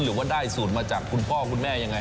หรือว่าได้สูตรมาจากคุณพ่อคุณแม่ยังไง